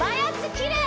きれい！